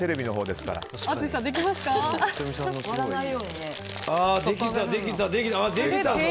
できたぞ。